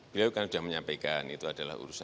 beliau kan sudah menyampaikan itu adalah urusan